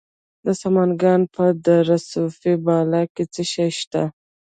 د سمنګان په دره صوف بالا کې څه شی شته؟